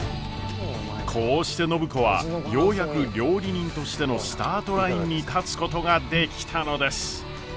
こうして暢子はようやく料理人としてのスタートラインに立つことができたのです。